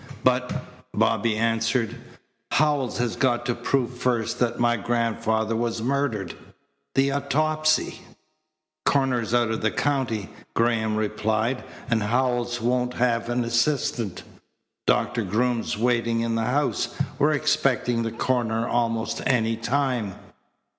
"But," Bobby answered, "Howells has got to prove first that my grandfather was murdered. The autopsy?" "Coroner's out of the county," Graham replied, "and Howells won't have an assistant. Dr. Groom's waiting in the house. We're expecting the coroner almost any time."